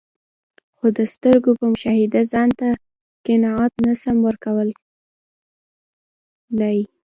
خو د سترګو په مشاهده ځانته قناعت نسم ورکول لای.